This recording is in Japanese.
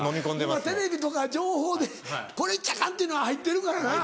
今テレビとか情報でこれ言っちゃアカンというのは入ってるからな。